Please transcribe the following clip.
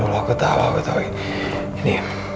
taduh lo ketawa ketawain